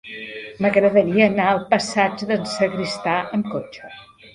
M'agradaria anar al passatge d'en Sagristà amb cotxe.